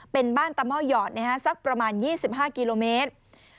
เป็นบ้านตะหม้อหยอดสักประมาณ๒๕กิโลเมตร